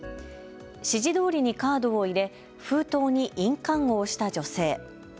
指示どおりにカードを入れ封筒に印鑑を押した女性。